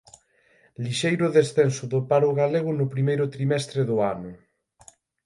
Lixeiro descenso do paro galego no primeiro trimestre do ano